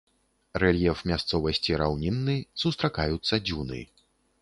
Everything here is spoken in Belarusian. Рэльеф мясцовасці раўнінны, сустракаюцца дзюны.